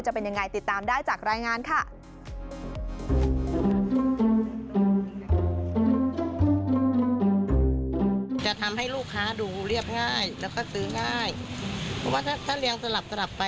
จะเป็นยังไงติดตามได้จากรายงานค่ะ